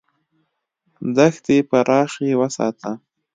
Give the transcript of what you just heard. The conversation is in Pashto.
دښتې پراخې وساته.